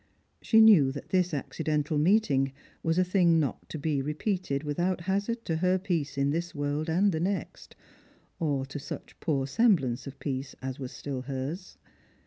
She knew that this accidental meeting was a thing not to be repeated without hazard to her peace in this world and the next, or to such poor semblance of peace as was still hers.